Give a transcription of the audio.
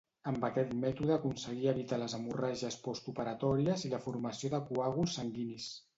Amb aquest mètode aconseguia evitar les hemorràgies postoperatòries i la formació de coàguls sanguinis.